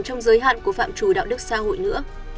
trong giới hạn của phạm trù đạo đức xã hội nữa